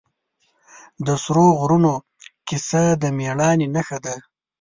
د سرو غرونو کیسه د مېړانې نښه ده.